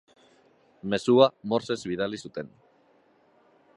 Mezua morsez bidali zuten.